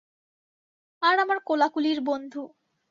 আর আমার কোলাকুলির বন্ধু।